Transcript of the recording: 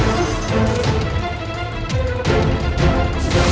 kalau ibu sudah kedebat